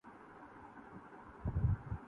اکستان تحریک انصاف آزادجموں وکشمیر کی